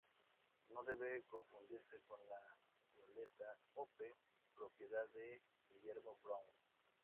No debe confundirse con la goleta "Hope", propiedad de Guillermo Brown.